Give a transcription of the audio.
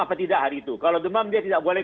apa tidak hari itu kalau demam dia tidak boleh